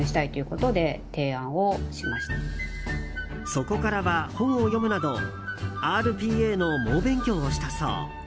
そこからは本を読むなどＲＰＡの猛勉強をしたそう。